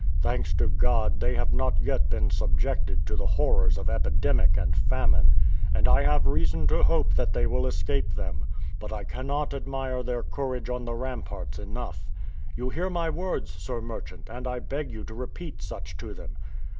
Thanks to God, they have not yet been subjected to the horrors of epidemic and famine, and I have reason to hope that they will escape them; but I cannot admire their courage on the ramparts enough. You hear my words, Sir Merchant, and I beg you to repeat such to them."